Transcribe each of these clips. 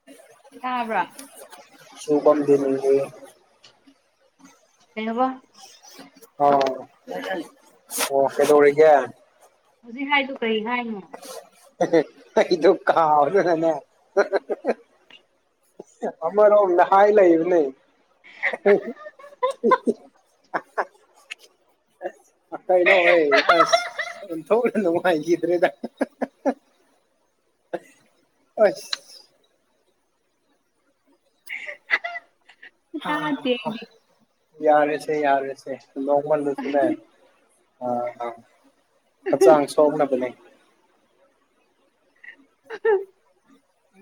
[inaudible] ꯇꯥꯕ꯭ꯔꯥ ꯁꯨꯕꯝꯗꯤꯅꯤ ꯍꯥꯏꯌꯦ ꯀꯩ ꯍꯕ ꯑꯣ ꯑꯣ ꯐꯦꯗ ꯑꯣꯏꯔꯒꯦ ꯍꯧꯖꯤꯛ ꯍꯥꯏꯗꯨꯣ ꯀꯔꯤ ꯍꯥꯏꯅꯣ ꯏꯗ ꯀꯥꯎꯗꯅꯦ ꯑꯔ ꯑ ꯅꯍꯥꯏ ꯂꯩꯕ ꯅ [unintelligible] ꯑ ꯀꯩꯅꯩꯅꯣ ꯍꯣꯏ ꯑꯁ ꯊꯣꯛ ꯅꯨꯡꯉꯥꯏꯈꯤꯗ꯭ꯔꯦꯗ ꯑꯁ ꯇꯥꯗꯦ ꯑꯩꯗꯤ ꯌꯥꯔꯦꯁꯦ ꯌꯥꯔꯦꯁꯦ ꯅꯣꯡꯃꯜꯗꯁꯨꯅꯦ ꯑ ꯍꯛꯆꯥꯡ ꯁꯣꯛꯅꯕꯅꯦ [inaudible]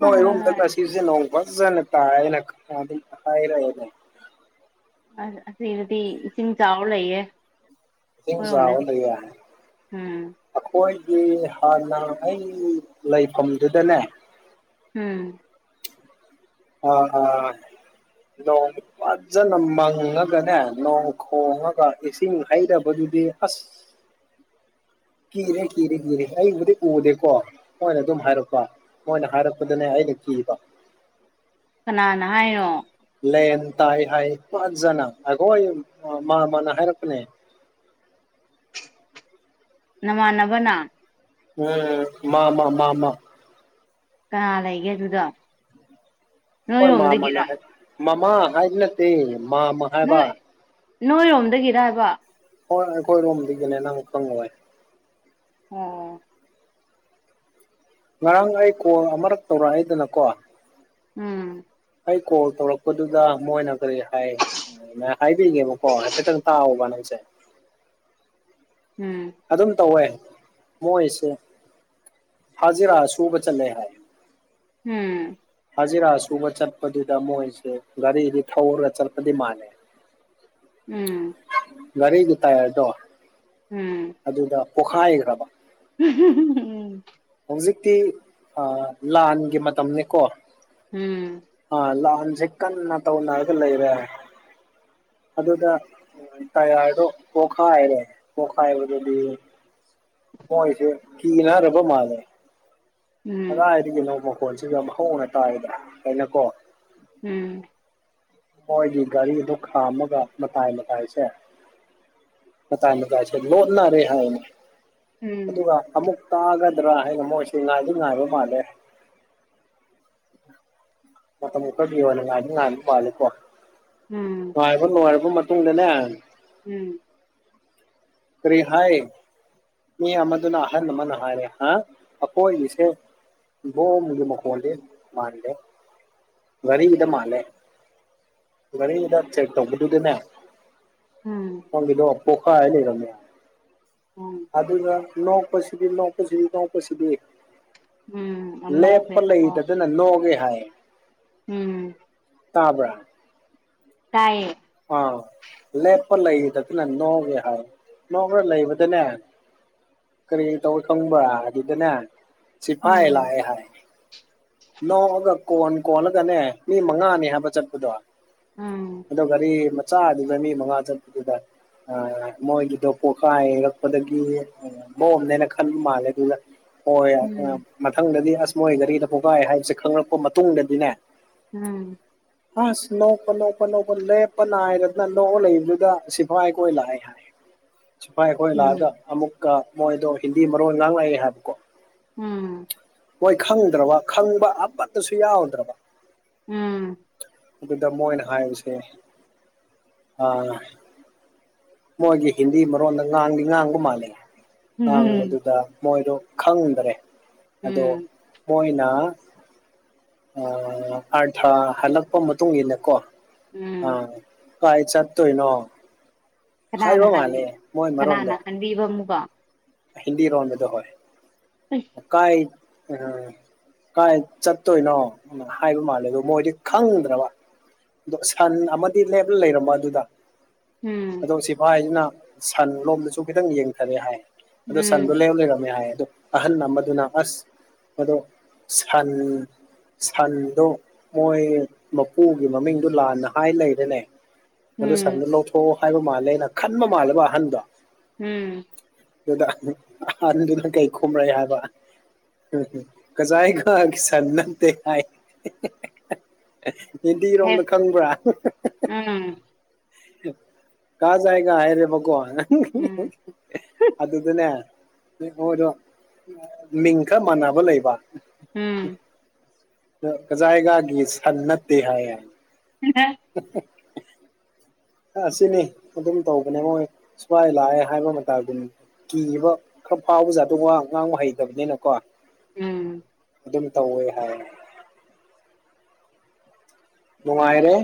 ꯑ ꯉꯥꯁꯤꯁꯦ ꯅꯣꯡ ꯐꯖꯅ ꯇꯥꯏꯅ ꯀꯥꯏꯔꯦ ꯑꯁꯤꯅꯨꯄꯤ ꯏꯁꯤꯡ ꯆꯥꯎꯔ꯭ ꯂꯩꯌꯦ ꯏꯁꯤꯡ ꯆꯥꯎꯔ ꯍꯣꯏꯔꯣꯝꯗꯗꯤ ꯂꯩꯌꯦ ꯎꯝ ꯑꯩꯈꯣꯏꯒꯤ ꯍꯥꯟꯅ ꯑꯩ ꯂꯩꯐꯝꯗꯨꯗꯅꯦ ꯎꯝ ꯑꯣ ꯑꯣ ꯅꯣꯡ ꯐꯖꯅ ꯃꯪꯉꯒꯅꯦ ꯅꯣꯡ ꯈꯣꯡꯉꯒ ꯑꯦꯁꯤꯡꯅ ꯍꯥꯏꯩꯔꯕꯗꯨꯗꯤ ꯍꯁ ꯀꯤꯔꯦ ꯀꯤꯔꯦ ꯀꯤꯔꯦ ꯑꯩꯕꯨꯗꯤ ꯎꯗꯦꯀꯣ ꯃꯣꯏꯅ ꯑꯗꯨꯝ ꯍꯥꯏꯔꯛꯄ ꯃꯣꯏꯅ ꯍꯥꯏꯔꯛꯄꯗꯅꯦ ꯑꯩꯅ ꯀꯤꯕ ꯀꯅꯥꯅ ꯍꯥꯏꯔꯣ ꯂꯦꯟ ꯇꯥꯏ ꯍꯥꯏ ꯄꯖꯅ ꯑꯩꯈꯣꯏꯣꯏ ꯃꯥ ꯃꯥꯅ ꯍꯥꯏꯔꯛꯄꯅꯦ ꯅꯃꯥꯟꯅꯕꯅ ꯎꯝ ꯃꯥ ꯃꯥ ꯃꯥ ꯃꯥ ꯀꯥ ꯂꯩꯒꯦ ꯑꯗꯨꯗꯣ ꯍꯣꯏ ꯃꯥꯃꯥꯅ ꯍꯥꯏ ꯃꯥꯃꯥ ꯍꯥꯏꯗꯤ ꯅꯠꯇꯦ ꯃꯥ ꯅꯣꯏ ꯅꯣꯏꯔꯣꯝꯗꯒꯤꯔ ꯍꯥꯏꯕ ꯍꯣꯏ ꯑꯩꯈꯣꯏꯔꯣꯝꯗꯒꯤꯅꯦ ꯅꯪ ꯈꯪꯂꯣꯏ ꯑꯣꯝ ꯉꯔꯥꯡ ꯑꯩ ꯀꯣꯜ ꯑꯃꯔꯛ ꯇꯧꯔꯛꯏꯗꯅꯀꯣ ꯎꯝ ꯑꯩ ꯀꯣꯜ ꯇꯧꯔꯛꯄꯗꯨꯗ ꯃꯣꯏꯅ ꯀꯔꯤ ꯍꯥꯏ ꯍꯥꯏꯕꯤꯒꯦꯕꯀꯣ ꯍꯥꯏꯐꯦꯠꯇꯪ ꯇꯥꯛꯎꯕ ꯅꯪꯁꯦ ꯎꯝ ꯑꯗꯨꯝ ꯇꯧꯋꯦ ꯃꯣꯏꯁꯦ ꯐꯖꯤꯔꯥ ꯁꯨꯕ ꯆꯠꯂꯦ ꯍꯥꯏ ꯎꯝ ꯍꯖꯤꯔꯥ ꯁꯨꯕ ꯆꯠꯄꯗꯨꯗ ꯃꯣꯏꯁꯦ ꯒꯥꯔꯤꯗꯤ ꯊꯧꯔꯒ ꯆꯠꯄꯗꯤ ꯃꯥꯥꯟꯂꯦ ꯎꯝ ꯔꯤꯒꯤ ꯇꯥꯏ ꯍꯥꯏꯗꯣ ꯎꯝ ꯑꯗꯨꯗ ꯄꯣꯈꯥꯏꯈ꯭ꯔꯕ ꯎꯝ ꯍꯧꯖꯤꯛꯇꯤ ꯂꯥꯟꯒꯤ ꯃꯇꯝꯅꯤꯅꯦꯀꯣ ꯎꯝ ꯑ ꯂꯥꯟꯁꯦ ꯀꯟꯅ ꯇꯧꯅꯔꯒ ꯂꯩꯔꯦ ꯑꯗꯨꯗ ꯇꯔꯗꯣ ꯄꯣꯈꯥꯔꯦ ꯄꯣꯈꯥ ꯍꯥꯏꯕꯗꯨꯗꯤ ꯍꯣꯏꯁꯦ ꯀꯤꯅ ꯔꯕ ꯃꯥꯜꯦ ꯎꯝ ꯎꯝ ꯀꯗꯥꯥꯏꯔꯤꯒꯤꯅꯣ ꯃꯈꯣꯟꯁꯤꯒꯣꯡꯅ ꯇꯥꯏꯗꯅ ꯍꯥꯏꯩꯅꯀꯣ ꯎꯝ ꯃꯣꯏꯒꯤ ꯒꯥꯔꯤꯗ ꯈꯥꯝꯃꯒ ꯃꯇꯥꯏ ꯃꯇꯥꯏꯁꯦ ꯑ ꯇꯥꯏꯅꯨꯡ ꯀꯥꯏ ꯂꯣꯗꯅꯅꯥ ꯔꯦ ꯍꯥꯏ ꯑꯗꯨꯒ ꯑꯃꯨꯛ ꯇꯥꯒꯗ꯭ꯔꯥ ꯍꯥꯏꯩꯅ ꯃꯣꯏꯁꯤꯦ ꯉꯥꯏꯗꯤ ꯉꯥꯏꯕ ꯃꯥꯜꯂꯦ ꯃ ꯃꯨꯛ ꯗꯤꯣꯂꯦꯝ ꯉꯔ ꯉꯨꯝ ꯄꯥꯂ ꯀꯣ ꯎꯝ ꯅꯨꯡꯉꯥꯏꯕ ꯅꯨꯡꯉꯥꯏꯔꯕ ꯃꯇꯨꯡꯗꯅꯦ ꯎꯝ ꯀꯔꯤ ꯍꯥꯏ ꯃꯤ ꯑꯃꯗꯨꯅ ꯑꯍꯜ ꯑꯃꯅ ꯍꯥꯏꯔꯦ ꯍꯥ ꯑꯩꯈꯣꯏꯒꯤꯁꯦ ꯏ ꯣ ꯃꯒꯤ ꯃꯈꯣꯟꯗꯤꯦ ꯃꯥꯜꯂꯦ ꯋꯥꯔꯤꯔꯤꯒꯤꯗ ꯃꯥꯜꯂꯦ ꯑꯗꯨꯗ ꯆꯦ ꯇꯣꯗꯨꯗꯟꯅ ꯎꯝ ꯗꯣ ꯑꯄꯣꯀꯥ ꯍꯥꯏ ꯂꯩꯔ ꯎꯝ ꯑꯗꯨꯒ ꯅꯣꯛꯄꯁꯤꯗꯤ ꯅꯣꯛꯄꯁꯤꯗꯤ ꯅꯣꯛꯄꯁꯤꯗꯤ ꯎꯝ ꯌꯥꯝ ꯂꯦꯞꯄ ꯅꯣꯛꯈ꯭ꯔꯦꯕꯀꯣ ꯂꯩꯗꯗꯅ ꯂꯣꯛꯒꯦ ꯍꯥꯏ ꯎꯝ ꯇꯥꯕ꯭ꯔꯥ ꯇꯥꯏꯌꯦ ꯑꯥꯎ ꯂꯦꯞꯄ ꯂꯩꯗꯗꯅ ꯅꯣꯡꯉꯦ ꯍꯥꯏ ꯅꯣꯡꯔ ꯂꯩꯕꯗꯅꯦ ꯀꯔꯤ ꯇꯧ ꯈꯪꯕ꯭ꯔ ꯑꯗꯨꯗꯅꯦ ꯁꯤꯐꯥꯏ ꯎꯝ ꯂꯥꯛꯑꯦ ꯍꯥꯏ ꯅꯣꯛꯑꯒ ꯀꯣꯟ ꯀꯣꯜꯂꯒꯅꯦ ꯃꯤ ꯃꯉꯥꯅꯤ ꯍꯥꯏꯕ ꯆꯠꯄꯗꯣ ꯎꯝ ꯑꯗꯣ ꯒꯥꯔꯤ ꯃꯆꯥꯗꯨꯗ ꯃꯤ ꯃꯉꯥ ꯆꯠꯄꯗꯨꯗ ꯃꯣꯏꯒꯤꯗꯣ ꯄꯣꯈꯥꯔꯛꯄꯗꯒꯤ ꯕꯣꯝꯅꯦꯅ ꯈꯟꯕ ꯃꯥꯜꯂꯦ ꯑꯗꯨꯗ ꯍꯣꯏ ꯎꯝ ꯃꯊꯪꯗꯗꯤ ꯑꯁ ꯃꯣꯏ ꯒꯥꯔꯤꯗ ꯄꯣꯏꯈꯥꯏ ꯍꯥꯏꯕꯁꯦ ꯈꯪꯂꯛꯄ ꯃꯇꯨꯡꯗꯗꯤꯅꯦ ꯎꯝ ꯍ ꯂꯣ ꯄ ꯂꯣ ꯄ ꯂꯣ ꯂꯦꯞꯄ ꯅꯥꯏꯔꯗꯅ ꯂꯣꯛꯑꯣ ꯂꯩꯕꯗꯨꯗ ꯁꯤꯐꯥꯏ ꯀꯣꯏ ꯂꯥꯛꯑꯦ ꯍꯥꯏ ꯁꯐꯥꯏ ꯑꯩꯈꯣꯏ ꯂꯥꯛꯑꯒ ꯎꯝ ꯑꯃꯨꯛꯀ ꯃꯣꯏꯗꯣ ꯍꯤꯟꯗꯤ ꯃꯔꯣꯟ ꯂꯥꯡ ꯂꯥꯛꯑꯦ ꯍꯥꯏꯕꯀꯣ ꯎꯝ ꯍꯣꯏ ꯈꯪꯗ꯭ꯔꯕ ꯈꯪꯕ ꯑꯃꯠꯇꯁꯨ ꯌꯥꯎꯗ꯭ꯔꯕ ꯎꯝ ꯑꯗꯨꯗ ꯃꯣꯏꯅ ꯍꯥꯏꯔꯤꯁꯦ ꯑ ꯃꯣꯏꯒꯤ ꯍꯤꯟꯗꯤ ꯃꯔꯣꯟꯗ ꯉꯥꯡꯗꯤ ꯉꯥꯡꯕ ꯃꯥꯜꯂꯤꯦ ꯎꯝ ꯉꯥꯡꯕꯗꯨꯗ ꯃꯣꯏꯗꯣ ꯈꯪꯗ꯭ꯔꯦ ꯑꯗꯣ ꯎꯝ ꯃꯣꯏꯅ ꯑꯥꯔꯊꯥ ꯍꯜꯂꯛꯄ ꯃꯇꯨꯡ ꯏꯟꯅꯀꯣ ꯑꯥ ꯎꯝ ꯀꯥꯏ ꯆꯠ ꯇꯣꯏ ꯅꯣ ꯀꯅꯥꯅ ꯍꯥꯏ ꯃꯣꯏ ꯀꯅꯥꯅ ꯃꯔꯣꯟꯗꯣ ꯍꯟꯕꯤꯕ ꯑꯃꯨꯛꯒ ꯍꯤꯟꯗꯤ ꯔꯣꯟꯕꯗꯣ ꯍꯣꯏ ꯎꯝ ꯀꯥꯏ ꯑꯥ ꯀꯥꯏ ꯆꯠꯇꯣꯏꯅꯣ ꯍꯥꯏꯕ ꯃꯥꯜꯂꯦꯀꯣ ꯑꯗꯣ ꯃꯣꯏꯗꯤ ꯈꯪꯗ꯭ꯔꯕ ꯑꯗꯣ ꯁꯟ ꯑꯃꯗꯤ ꯂꯦꯞꯂ ꯂꯩꯔꯝꯃ ꯑꯗꯨꯗ ꯎꯝ ꯗꯣ ꯁꯤꯐꯥꯏꯁꯤꯅ ꯁꯟ ꯂꯣꯝꯗꯁꯨ ꯈꯤꯇꯪ ꯌꯦꯡꯊꯔꯦ ꯍꯥꯏ ꯑꯗꯣ ꯁꯟꯗꯣ ꯎꯝ ꯂꯦꯞꯔ ꯂꯩꯔꯝꯃꯦ ꯍꯥꯏ ꯑꯗꯣ ꯑꯍꯟ ꯑꯃꯗꯨꯅ ꯑꯁ ꯑꯗꯣ ꯁꯟ ꯁꯟꯗꯣ ꯃꯣꯏ ꯃꯄꯨꯒꯤ ꯃꯃꯤꯡꯗꯣ ꯂꯥꯟꯅ ꯍꯥꯏ ꯂꯩꯔꯦꯅꯦ ꯑꯗꯨ ꯎꯝ ꯁꯟꯗꯣ ꯂꯧꯊꯣꯛꯑꯣ ꯍꯥꯏꯕ ꯃꯥꯜꯂꯦꯅ ꯈꯟꯕ ꯃꯥꯜꯂꯕ ꯑꯍꯟꯗꯣ ꯎꯝ ꯑꯗꯨ ꯑꯍꯟꯗꯨꯅ ꯀꯩ ꯈꯨꯔꯛꯑꯦ ꯍꯥꯏꯕ [unintelligible] ꯁꯟ ꯅꯠꯇꯦ ꯍꯥꯏ ꯍꯦ ꯍꯤꯟꯗꯤꯔꯣꯝꯗ ꯈꯪꯕ꯭ꯔꯥ ꯎꯝ ꯀꯍꯥ ꯖꯥꯌꯦꯒ ꯍꯥꯏꯔꯦꯕ ꯀꯣ ꯎꯝ ꯑꯗꯨꯗꯅꯦ ꯃꯣꯏꯗꯣ ꯃꯤꯟ ꯈꯔ ꯃꯅꯥꯕ ꯂꯩꯕ ꯎꯝ ꯀꯖꯥꯏꯒꯥꯒꯤ ꯁꯟ ꯅꯠꯇꯦ ꯍꯥꯏ [unintelligible] [unintelligible] ꯑꯁꯤꯅꯤ ꯑꯗꯨꯝ ꯇꯧꯕꯅꯦ ꯃꯣꯏ ꯁꯤꯐꯥꯏ ꯂꯥꯛꯑꯦ ꯍꯥꯏꯕ ꯃꯇꯗꯨꯅꯤ ꯀꯤꯌꯦꯕ ꯈꯔ ꯐꯥꯎꯕ ꯖꯥꯗꯣ ꯋꯥ ꯉꯥꯡꯕ ꯍꯩꯇꯕꯅꯤꯅꯀꯣ ꯎꯝ ꯑꯗꯨꯝ ꯇꯧꯋꯦ ꯍꯥꯏ ꯅꯨꯡꯉꯥꯏꯔꯦ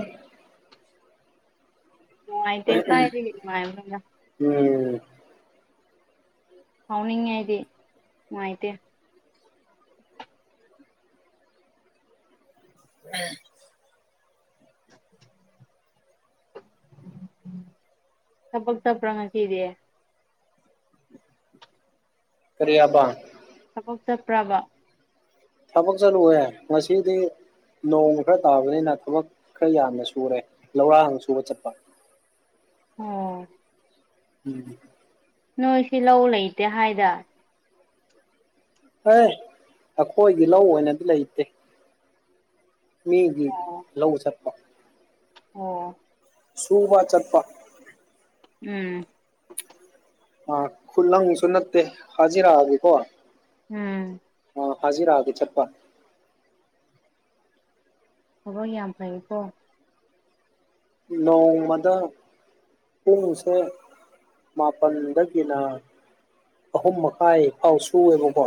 ꯅꯨꯡꯉꯥꯏꯇꯦ ꯀꯥꯗꯏꯗꯒꯤ ꯅꯨꯡꯉꯥꯏꯕꯅꯣ ꯎꯝ ꯍꯥꯎꯅꯤꯡꯉꯦ ꯍꯥꯏꯗꯤ ꯅꯨꯡꯉꯥꯏꯇꯦ ꯎꯝ [inaudible] ꯊꯥꯕꯛ ꯆꯠꯄ꯭ꯔ ꯉꯁꯤꯗꯤꯔ ꯀꯔꯤ ꯌꯥꯕ ꯊꯕꯛ ꯆꯠꯄ꯭ꯔꯕ ꯊꯕꯛ ꯆꯠꯂꯨꯑꯦ ꯉꯁꯤꯗꯤ ꯅꯣꯡ ꯈꯔ ꯇꯥꯕꯅꯤꯅ ꯊꯕꯛ ꯈꯔ ꯌꯥꯝꯅ ꯁꯨꯔꯦ ꯂꯧꯔꯥꯡ ꯁꯨꯕ ꯆꯠꯄ ꯑꯥ ꯎꯝ ꯅꯣꯏ ꯁꯤ ꯂꯧ ꯂꯩꯇꯦ ꯍꯥꯏꯗ ꯑꯦ ꯑꯩꯈꯣꯏꯒꯤ ꯂꯧ ꯑꯣꯏꯅꯗꯤ ꯂꯩꯇꯦ ꯃꯤꯒꯤ ꯑꯣ ꯂꯧ ꯆꯠꯄ ꯑꯣ ꯁꯨꯕ ꯆꯠꯄ ꯎꯝ ꯑ ꯈꯨꯠꯂꯪꯁꯨ ꯅꯠꯇꯦ ꯍꯥꯏꯖꯤꯔꯥꯒꯤꯀꯣ ꯎꯝ ꯑ ꯍꯖꯤꯔꯥꯒꯤ ꯆꯠꯄ ꯊꯕꯛ ꯌꯥꯝ ꯐꯩꯀꯣ ꯅꯣꯡꯃꯗ ꯄꯨꯡꯁꯦ ꯃꯥꯄꯜꯗꯒꯤꯅ ꯑꯍꯨꯝ ꯃꯈꯥꯏ ꯐꯥꯎ ꯁꯨꯑꯦꯕꯀꯣ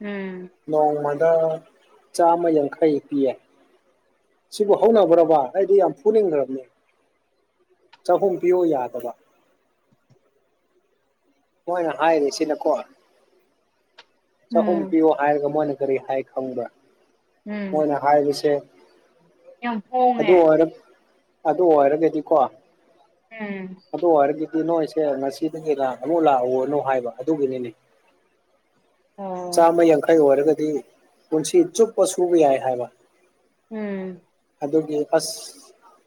ꯎꯝ ꯅꯣꯡꯃꯗ ꯆꯥꯝꯃ ꯌꯥꯡꯈꯩ ꯄꯤꯌꯦ ꯁꯤꯕꯨ ꯍꯧꯅꯕ꯭ꯔꯕ ꯑꯩꯗꯤ ꯌꯥꯝ ꯐꯨꯅꯤꯡꯈ꯭ꯔꯕꯅꯦ ꯆꯍꯨꯝ ꯄꯤꯌꯨ ꯌꯥꯗꯕ ꯃꯣꯏꯅ ꯍꯥꯏꯔꯤꯁꯤꯅꯀꯣ ꯆꯥꯛꯍꯨꯝ ꯎꯝ ꯄꯤꯌꯣ ꯍꯥꯏꯔꯒ ꯃꯣꯏꯅ ꯀꯔꯤ ꯍꯥꯏ ꯈꯪꯕ꯭ꯔꯥ ꯎꯝ ꯃꯣꯏꯅ ꯍꯥꯏꯕꯁꯦ ꯌꯥꯝ ꯑꯗꯨ ꯍꯣꯡꯉꯦ ꯑꯣꯏ ꯑꯗꯨ ꯑꯣꯏꯔꯒꯗꯤꯀꯣ ꯎꯝ ꯑꯗꯨ ꯑꯣꯏꯔꯒꯗꯤ ꯅꯣꯏꯁꯦ ꯉꯁꯤꯗꯒꯤ ꯂ ꯑꯃꯨꯛ ꯂꯥꯛꯎꯔꯅꯨ ꯍꯥꯏꯕ ꯑꯗꯨꯒꯤꯅꯤꯅꯦ ꯑꯣ ꯆꯥꯝꯃ ꯌꯥꯡꯈꯩ ꯑꯣꯏꯔꯒꯗꯤ ꯄꯨꯟꯁꯤ ꯆꯨꯞꯄ ꯁꯨꯕ ꯌꯥꯏ ꯍꯥꯏꯕ ꯎꯝ ꯑꯗꯨꯒꯤ ꯑꯁ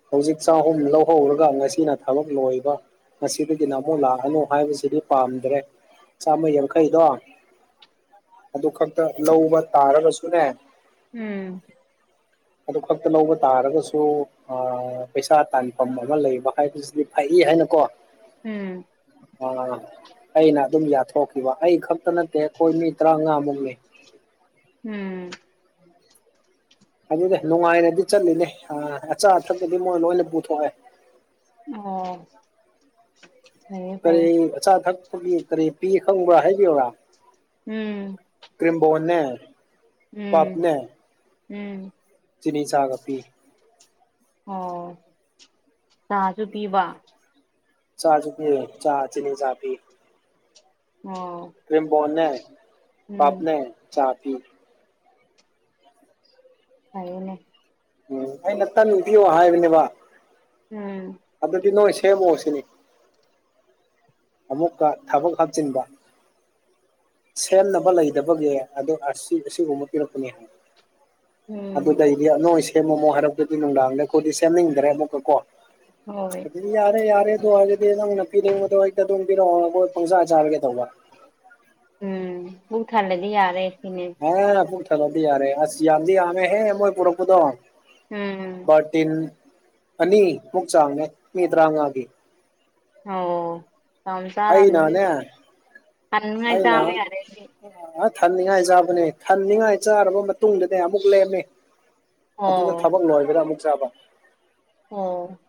ꯍꯧꯖꯤꯛ ꯆꯍꯨꯝ ꯂꯧꯍꯧꯔꯒ ꯉꯁꯤꯅ ꯊꯕꯛ ꯂꯣꯏꯕ ꯉꯁꯤꯗꯒꯤꯅ ꯑꯃꯨꯛ ꯂꯥꯛꯑꯅꯨ ꯍꯥꯏꯕꯁꯤꯗꯤ ꯄꯥꯝꯗ꯭ꯔꯦ ꯆꯥꯝꯃ ꯌꯥꯡꯈꯩꯗꯣ ꯑꯗꯨ ꯈꯛꯇ ꯂꯧꯕ ꯇꯥꯔꯒꯁꯨꯅꯦ ꯎꯝ ꯑꯗꯨ ꯈꯛꯇ ꯂꯧꯕ ꯇꯥꯔꯒꯁꯨ ꯄꯩꯁꯥ ꯇꯥꯟꯐꯝ ꯑꯃ ꯂꯩꯕ ꯍꯥꯏꯕꯁꯤꯗꯤ ꯐꯩ ꯍꯥꯏꯅꯀꯣ ꯎꯝ ꯑ ꯑꯩꯅ ꯑꯗꯨꯝ ꯌꯥꯊꯣꯛꯈꯤꯕ ꯑꯩ ꯈꯛꯇ ꯅꯠꯇꯦ ꯑꯩꯈꯣꯏ ꯃꯤ ꯇꯔꯥꯃꯉꯥꯃꯨꯛꯅꯤ ꯎꯝ ꯑꯗꯨꯗꯤ ꯅꯨꯡꯉꯥꯏꯅꯗꯤ ꯆꯠꯂꯤꯅꯦ ꯑꯆꯥ ꯑꯊꯛꯛꯀꯗꯤ ꯃꯣꯏ ꯂꯣꯏꯅ ꯄꯨꯊꯣꯛꯑꯦ ꯑꯣ ꯐꯩꯌꯦ ꯀꯔꯤ ꯐꯩꯌꯦ ꯑꯆꯥ ꯑꯊꯛꯄꯒꯤ ꯀꯔꯤ ꯄꯤ ꯈꯪꯕ꯭ꯔꯥ ꯍꯥꯏꯕꯤꯌꯨꯔꯥ ꯎꯝ ꯀ꯭ꯔꯤꯝꯕꯣꯟꯅꯦ ꯎꯝ ꯄꯞꯅꯦ ꯎꯝ ꯆꯤꯅꯤ ꯆꯥꯒꯄꯤ ꯑꯣ ꯆꯥꯁꯨ ꯄꯤꯕ ꯆꯥ ꯆ ꯄꯤ ꯆꯥ ꯆꯤꯅꯤ ꯆꯥ ꯄꯤ ꯑꯣ ꯀ꯭ꯔꯤꯝꯕꯅꯦ ꯎꯝ ꯄꯄꯅꯦ ꯆꯥꯄꯤ ꯐꯅꯦ ꯎꯝ ꯑꯩꯅ ꯇꯟ ꯄꯤꯌꯣ ꯍꯥꯏꯕꯅꯦꯕ ꯎꯝ ꯑꯗꯗꯤ ꯅꯣꯏ ꯁꯦꯝꯃꯣꯁꯤꯅꯤ ꯑꯃꯨꯛꯀ ꯊꯕꯛ ꯍꯥꯞꯆꯤꯟꯕ ꯁꯦꯝꯅꯕ ꯂꯩꯗꯕꯒꯤ ꯑꯗꯣ ꯑꯁꯤ ꯑꯁꯤꯒꯨꯝꯕ ꯄꯤꯔꯛꯄꯅꯤ ꯍꯥꯏ ꯎꯝ ꯑꯗꯨꯗꯩꯗꯤ ꯑ ꯅꯣꯏ ꯁꯦꯝꯃꯃꯣ ꯍꯥꯏꯔꯛꯇꯗꯤ ꯅꯨꯡꯗꯥꯡꯗ ꯈꯣꯏꯗꯤ ꯁꯦꯝꯅꯤꯡꯗ꯭ꯔꯦ ꯑꯃꯨꯛꯀ ꯀꯣ ꯍꯣꯏ ꯑꯗꯨꯗꯤ ꯌꯥꯔꯦ ꯌꯥꯔꯦ ꯑꯗꯨ ꯑꯣꯏꯔꯒꯗꯤ ꯅꯪꯅ ꯄꯤꯅꯤꯡꯕꯗꯣ ꯍꯦꯛꯇ ꯑꯗꯨꯝ ꯄꯤꯔꯛꯑꯣ ꯃꯣꯏ ꯄꯪꯆꯥ ꯆꯥꯔꯒꯦ ꯇꯧꯕ ꯎꯝ ꯄꯨꯛ ꯊꯜꯂꯗꯤ ꯌꯥꯔꯦ ꯁꯤꯅꯦ ꯑ ꯄꯨꯛ ꯊꯜꯂꯗꯤ ꯌꯥꯔꯦ ꯑꯁ ꯌꯥꯝꯗꯤ ꯌꯥꯝꯃꯦꯍꯦ ꯃꯣꯏ ꯄꯨꯔꯛꯄꯨꯗ ꯎꯝ ꯕꯥꯔꯇꯤꯟ ꯑꯅꯤ ꯃꯨꯛ ꯆꯥꯡꯅꯦ ꯃꯤ ꯇꯔꯥꯡꯉꯥꯒꯤ ꯑꯣ ꯌꯥꯝ ꯆꯥꯔꯝꯅꯤ ꯑꯩꯅꯅꯦ ꯑꯗꯨꯗꯤ ꯇꯟꯉꯩꯏ ꯑꯩꯅ ꯆꯥꯕ ꯌꯥꯔꯦ ꯗꯨꯗꯤ ꯊꯟꯅꯤꯡꯉꯥꯏ ꯆꯥꯕꯅꯦ ꯊꯅꯤꯡꯉꯥꯏ ꯆꯥꯔꯕ ꯃꯇꯨꯡꯗꯅꯦ ꯑꯃꯨꯛ ꯂꯦꯝꯃꯦ ꯑꯗꯨꯗ ꯑꯣ ꯊꯕꯛ ꯂꯣꯏꯕꯗ ꯑꯃꯨꯛ ꯆꯥꯕ ꯑꯣ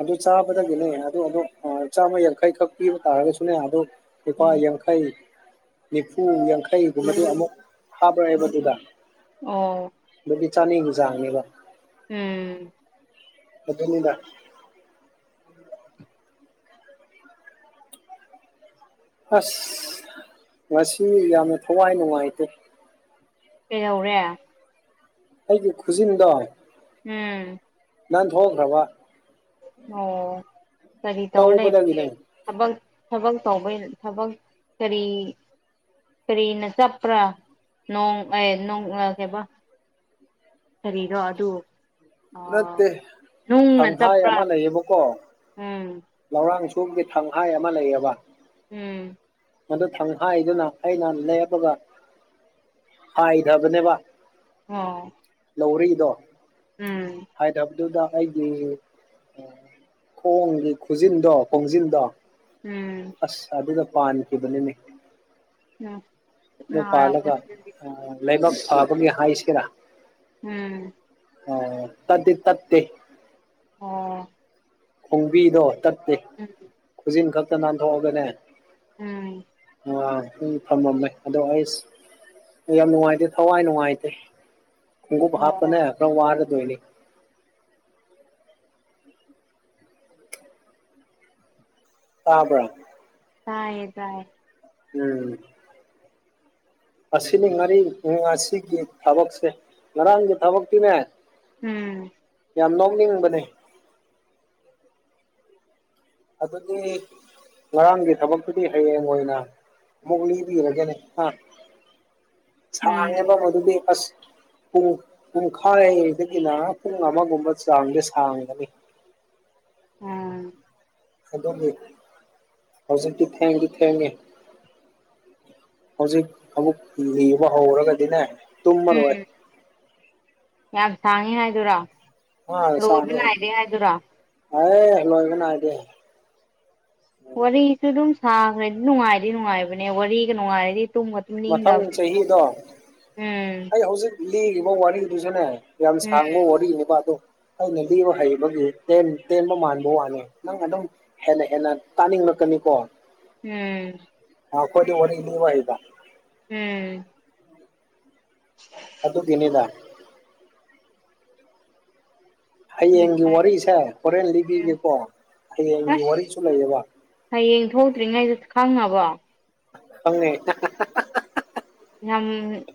ꯑꯗꯨ ꯆꯥꯕꯗꯒꯤꯅꯦ ꯑꯗꯨ ꯑꯣ ꯆꯥꯝꯃ ꯌꯥꯡꯈꯩꯈꯛ ꯄꯤꯕ ꯇꯥꯔꯒꯁꯨꯅꯦ ꯑꯗꯨꯣ ꯂꯨꯄꯥ ꯌꯥ ꯎꯝ ꯌꯥꯡꯈꯩ ꯅꯤꯐꯨ ꯌꯥꯡꯈꯩꯒꯨꯝꯕꯗꯤ ꯑꯃꯨꯛ ꯍꯥꯕ꯭ꯔꯛꯑꯦꯕ ꯑꯗꯨꯗ ꯑꯣ ꯑꯗꯨꯗꯤ ꯆꯥꯅꯤꯒ ꯆꯥꯡꯅꯦꯕ ꯎꯝ ꯑꯗꯨꯅꯤꯗ ꯑꯁ ꯉꯁꯤ ꯌꯥꯝꯅ ꯊꯋꯥꯏ ꯅꯨꯡꯉꯥꯏꯇꯦ ꯀꯩꯗꯧꯔꯦ ꯑꯩꯒꯤ ꯈꯨꯁꯤꯅꯗ ꯎꯝ ꯅꯥꯟ ꯊ ꯍꯣ꯭ꯔꯕ ꯑꯣ ꯇꯔꯤ ꯇꯧꯅ ꯄ ꯇꯧꯕꯗꯒꯤꯅꯦ ꯊꯕꯛ ꯊꯕꯛ ꯇꯧꯕꯩ ꯊꯕꯛ ꯀꯔꯤ ꯀꯔꯤꯅ ꯆꯠꯄ꯭ꯔꯥ ꯅꯣꯡ ꯑꯦ ꯀꯩꯕ ꯀꯔꯤꯅꯣ ꯑꯗꯨ ꯅꯠꯇꯦ ꯅꯨꯡꯅ ꯆꯞ ꯊꯪꯍꯥꯏ ꯑꯃ ꯂꯩꯌꯦꯕꯀꯣ ꯂꯧꯔꯥꯡ ꯁꯣꯒꯤ ꯊꯪꯍꯥꯏ ꯑꯃ ꯂꯩꯌꯦꯕ ꯎꯝ ꯃꯗꯨ ꯊꯪ ꯍꯥꯏꯥꯏꯗꯨꯅ ꯑꯩꯅ ꯂꯦꯞꯄꯒ ꯍꯥꯏꯗꯕꯅꯦꯕ ꯑꯣ ꯂꯧꯔꯛꯏꯗꯣ ꯎꯝ ꯍꯥꯏꯗꯕꯗꯨꯗ ꯑꯩꯒꯤ ꯈꯣꯡꯒꯤ ꯈꯨꯖꯤꯟꯗꯣ ꯈꯣꯡꯖꯤꯟꯗꯣ ꯎꯝ ꯑꯁ ꯑꯗꯨꯗ ꯄꯥꯟꯈꯤꯕꯅꯤꯅꯦ ꯎꯝ ꯄꯥꯜꯂꯒ ꯂꯩꯕꯥꯛ ꯐꯥꯕꯒꯤ ꯍꯥꯏꯁꯤꯒꯦꯔꯥ ꯎꯝ ꯑꯣ ꯇꯗꯤ ꯇꯠꯇꯦ ꯑꯣ ꯈꯣꯡꯕꯤꯗꯣ ꯇꯠꯇꯦ ꯎꯝ ꯈꯨꯖꯤꯟ ꯈꯛꯇ ꯅꯥꯟꯊꯣꯛꯑꯒꯅꯦ ꯎꯝ ꯑ ꯐꯝꯃꯝꯃꯦ ꯑꯗꯣ ꯑꯩꯁ ꯌꯥꯝ ꯅꯨꯡꯉꯥꯏꯇꯦ ꯊꯋꯥꯏ ꯅꯨꯡꯉꯥꯏꯇꯦ ꯈꯣꯡꯎꯞ ꯍꯥꯞꯄꯅ ꯑꯣ ꯈꯔ ꯋꯥꯔꯗꯣꯏꯅꯤ ꯑꯥꯗ ꯇꯥꯏꯌꯦ ꯇꯏꯌꯦ ꯎꯝ ꯑꯁꯤꯅꯤ ꯉꯔꯤ ꯉꯁꯤꯒꯤ ꯊꯕꯛꯁꯦ ꯉꯔꯥꯡꯒꯤ ꯊꯕꯛꯇꯤꯅꯦ ꯎꯝ ꯌꯥꯝ ꯅꯣꯛꯅꯤꯡꯕꯅꯦ ꯑꯗꯨꯗꯤ ꯉꯔꯥꯡꯒꯤ ꯊꯕꯛꯇꯨꯗꯤ ꯍꯌꯦꯡ ꯑꯣꯏꯅ ꯑꯃꯨꯛ ꯂꯤꯕꯤꯔꯒꯅꯤ ꯆꯅꯕ ꯎꯝ ꯃꯗꯨꯕꯤꯁ ꯄꯨꯡ ꯄꯨꯡꯈꯥꯏꯗꯒꯤꯅ ꯄꯨꯡ ꯑꯃꯒꯨꯝꯕ ꯆꯥꯡꯁꯦ ꯁꯥꯡꯒꯅꯤ ꯎꯝ ꯑꯗꯨꯗꯤ ꯍꯧꯖꯤꯛꯇꯤ ꯊꯦꯡꯗꯤ ꯊꯦꯡꯉꯦ ꯍꯧꯖꯤꯛ ꯑꯃꯨꯛ ꯂꯤꯕ ꯍꯧꯔꯒꯗꯤꯅꯦ ꯇꯨꯝꯃꯔꯣꯏ ꯎꯝ ꯌꯥꯝ ꯁꯥꯡꯉꯤ ꯍꯥꯏꯗꯨꯔꯣ ꯑ ꯔꯣꯖ ꯁꯥꯡꯉꯦ ꯅꯥꯏꯗ ꯏꯗꯔꯥ ꯑꯦ ꯂꯣꯏꯕꯅ ꯍꯥꯏꯗ ꯋꯥꯔꯤꯁꯨ ꯑꯗꯨꯝ ꯁꯥꯈ꯭ꯔꯗꯤ ꯅꯨꯡꯉꯥꯏꯗꯤ ꯅꯨꯡꯉꯥꯏꯕꯅꯦ ꯋꯥꯔꯤꯒ ꯅꯨꯡꯉꯥꯏꯔꯗꯤ ꯇꯨꯝ ꯃꯊꯪ ꯆꯍꯤꯗꯣ ꯎꯝ ꯑꯩ ꯍꯧꯖꯤꯛ ꯂꯤꯔꯤꯕ ꯋꯥꯔꯤꯗꯨꯁꯨꯅꯦ ꯌꯥꯝ ꯁꯥꯡꯕ ꯎꯝ ꯋꯥꯔꯤꯅꯦꯕ ꯑꯗꯣ ꯑꯩꯅ ꯂꯤꯕ ꯍꯩꯕꯒꯤꯦꯟ ꯇꯦꯟꯕ ꯃꯥꯟꯕ ꯋꯥꯅꯤ ꯅꯪ ꯑꯗꯨꯝ ꯍꯦꯟꯅ ꯍꯦꯟꯅ ꯇꯥꯅꯤꯡꯂꯛꯀꯅꯤꯀꯣ ꯎꯝ ꯑ ꯀꯣꯏꯗꯤ ꯍꯅꯤꯅꯤꯕ ꯍꯥꯏꯗ ꯎꯝ ꯑꯗꯨ ꯇꯤꯟꯗ ꯍꯌꯦꯡꯒꯤ ꯎꯝ ꯋꯥꯔꯤꯁꯦ ꯍꯣꯔꯦꯟ ꯂꯤꯕꯤꯒꯦꯀꯣ ꯍꯌꯦꯡꯒꯤ ꯑꯁ ꯋꯥꯔꯤꯁꯨ ꯂꯩꯌꯦꯕ ꯍꯌꯦꯡ ꯊꯣꯛꯇ꯭ꯔꯤꯉꯩꯗ ꯈꯪꯉꯕꯣ ꯐꯪꯅꯤ ꯌꯥꯝꯝ